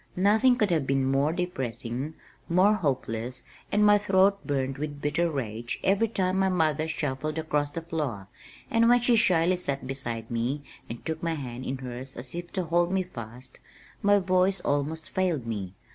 Nothing could have been more depressing, more hopeless, and my throat burned with bitter rage every time my mother shuffled across the floor, and when she shyly sat beside me and took my hand in hers as if to hold me fast, my voice almost failed me.